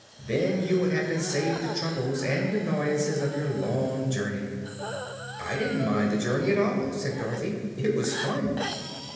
Then you would have been saved the troubles and annoyances of your long journey." "I didn't mind the journey at all," said Dorothy; "it was fun."